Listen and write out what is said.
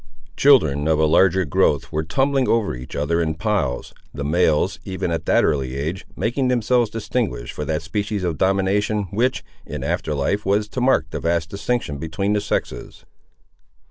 Children of a larger growth were tumbling over each other in piles, the males, even at that early age, making themselves distinguished for that species of domination which, in after life, was to mark the vast distinction between the sexes.